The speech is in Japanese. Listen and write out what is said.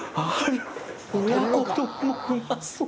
親子丼もうまそう！